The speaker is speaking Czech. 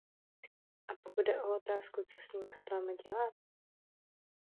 A pokud jde o otázku, co s nimi hodláme dělat?